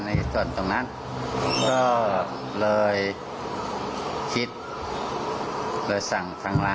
ก็อินไปตามกระแสแล้วจริงไหมครับ